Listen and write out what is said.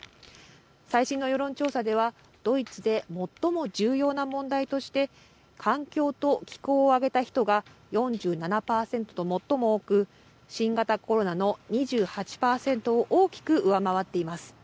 最新の世論調査ではドイツで最も重要な問題として環境と気候を挙げた人が４７％と最も多く新型コロナの２８％を大きく上回っています。